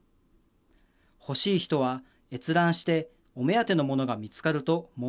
欲しい人は閲覧してお目当てのものが見つかると申し込み。